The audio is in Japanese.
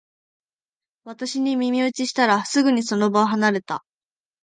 私に耳打ちしたら、すぐにその場を離れた